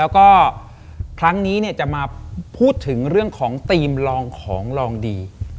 แล้วก็ครั้งนี้จะมาพูดถึงเรื่องของธีมลองของลองดี